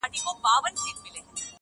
او بله د هارون حکیمي شعري مجموعه